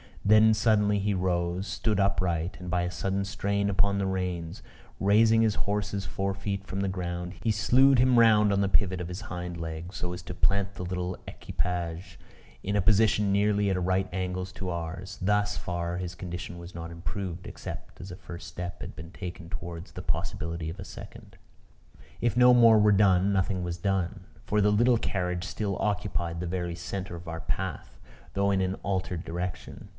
Then suddenly he rose; stood upright; and, by a sudden strain upon the reins, raising his horse's forefeet from the ground, he slewed him round on the pivot of his hind legs, so as to plant the little equipage in a position nearly at right angles to ours. Thus far his condition was not improved; except as a first step had been taken towards the possibility of a second. If no more were done, nothing was done; for the little carriage still occupied the very centre of our path, though in an altered direction.